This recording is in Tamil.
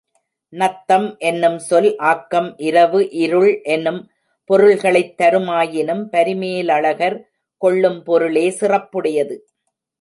நத்தம் எனும் சொல் ஆக்கம், இரவு, இருள் எனும் பொருள்களைத் தருமாயினும் பரிமேலழகர் கொள்ளும் பொருளே சிறப்புடையது.